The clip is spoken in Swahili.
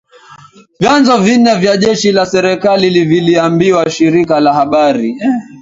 Vyanzo vinne vya jeshi la serikali vililiambia shirika la habari.